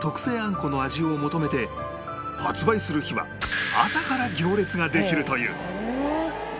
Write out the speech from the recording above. この味を求めて発売する日は朝から行列ができるという